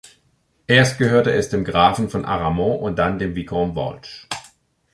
Erst gehörte es dem Grafen von Aramon und dann dem Vicomte Walsh.